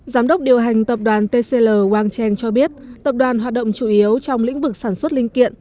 giám đốc điều hành tập đoàn tcl wang cheng cho biết tập đoàn hoạt động chủ yếu trong lĩnh vực sản xuất linh kiện